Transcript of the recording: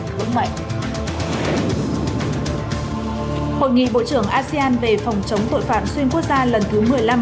hội nghị bộ trưởng asean về phòng chống tội phạm xuyên quốc gia lần thứ một mươi năm